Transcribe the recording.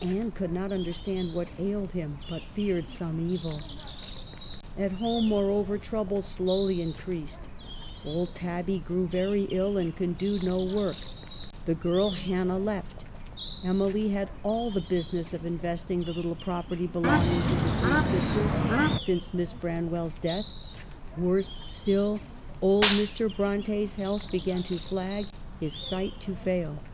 Anne could not understand what ailed him, but feared some evil. At home, moreover, troubles slowly increased. THE RECALL. 145 Old Tabby grew very ill and could do no work ; the girl Hannah left ; Emily had all the busi ness of investing the little property belonging to the three sisters since Miss Branwell's death ; worse still, old Mr. Bronte's health began to flag, his sight to fail.